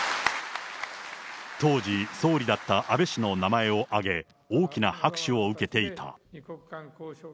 当時、総理だった安倍氏の名前を挙げ、大きな拍手を受けていた。